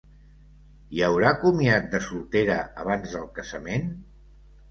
Hi haurà comiat de soltera abans del casament?